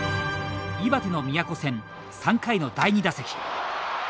岩手の宮古戦、３回の第２打席。